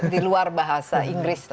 di luar bahasa inggris